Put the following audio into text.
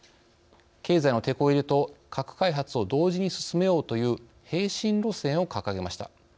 経済のテコ入れと核開発を同時に進めようという並進路線を掲げました。